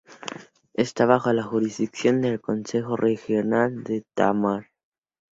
Esta bajo la jurisdicción del Concejo Regional de Tamar.